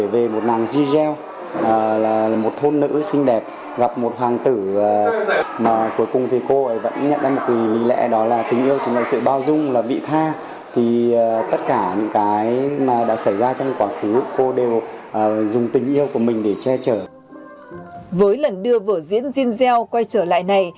với lần đưa vở diễn zinzel quay trở lại này